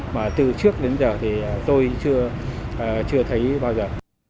mà từ trước đến giờ thì tôi chưa thấy bao giờ